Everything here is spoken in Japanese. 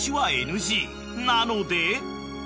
［なので］